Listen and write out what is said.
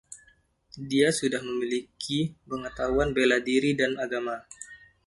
Dia sudah memiliki pengetahuan bela diri dan agama.